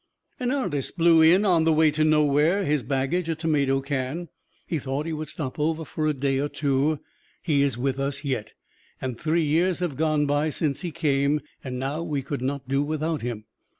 An artist blew in on the way to Nowhere, his baggage a tomato can. He thought he would stop over for a day or two he is with us yet, and three years have gone by since he came, and now we could not do without him.